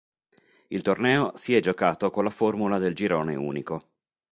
Il torneo si è giocato con la formula del girone unico.